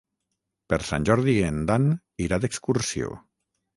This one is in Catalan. Per Sant Jordi en Dan irà d'excursió.